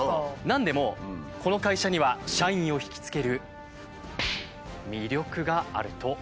なんでもこの会社には社員を引きつける魅力があるというんです。